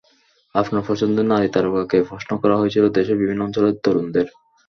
আপনার পছন্দের নারী তারকা কে—প্রশ্ন করা হয়েছিল দেশের বিভিন্ন অঞ্চলের তরুণদের।